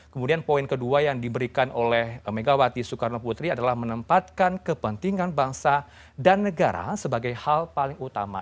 kemudian poin kedua yang diberikan oleh megawati soekarno putri adalah menempatkan kepentingan bangsa dan negara sebagai hal paling utama